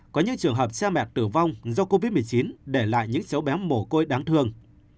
có những trường hợp sa mẹ tử vong do covid một mươi chín để lại những dấu bé mồ côi đáng thương